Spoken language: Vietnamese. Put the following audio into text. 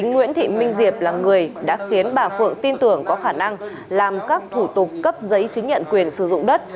nguyễn thị minh diệp là người đã khiến bà phượng tin tưởng có khả năng làm các thủ tục cấp giấy chứng nhận quyền sử dụng đất